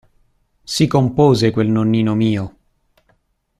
Si compose quel nonnino mio!